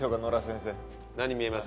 何見えます？